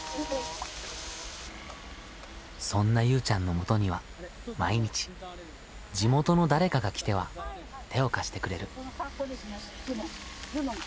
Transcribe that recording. そんなゆうちゃんのもとには毎日地元の誰かが来ては手を貸してくれる。